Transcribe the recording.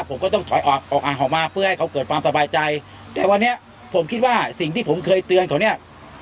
ผมก็ต้องถอยออกออกอ่าออกมาเพื่อให้เขาเกิดความสบายใจแต่วันนี้ผมคิดว่าสิ่งที่ผมเคยเตือนเขาเนี่ย